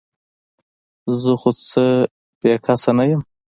زه خو څه بې کسه نه یم ؟